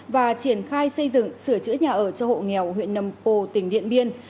và triển khai xây dựng sửa chữa nhà ở cho hộ nghèo huyện nâm cô tỉnh điện biên